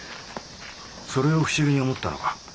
それを不思議に思ったのか？